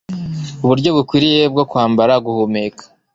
uburyo bukwiriye bwo kwambara, guhumeka,